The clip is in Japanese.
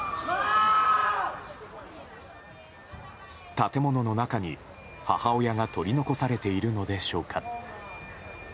建物の中に、母親が取り残されているのでしょうか。